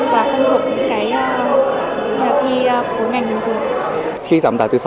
và không thuộc cái thi của ngành như thế